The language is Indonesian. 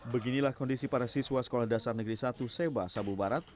beginilah kondisi para siswa sekolah dasar negeri satu seba sabu barat